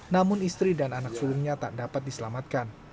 namun istri dan anak sulungnya tak dapat diselamatkan